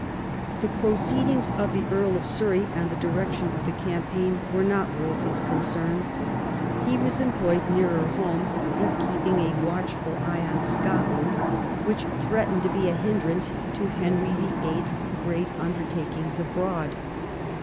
The proceedings of the Earl of Surrey and the direc tion of the campaign were not Wolsey's concern. He was employed nearer home, in keeping a watchful eye on Scotland, which threatened to be a hindrance to Henry Vin.'s great undertakings abroad.